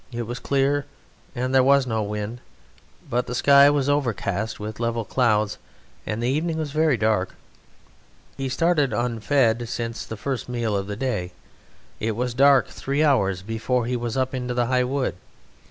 It was clear, and there was no wind, but the sky was overcast with level clouds and the evening was very dark. He started unfed since the first meal of the day; it was dark three hours before he was up into the high wood.